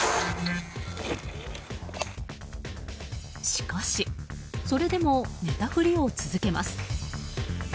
しかし、それでも寝たふりを続けます。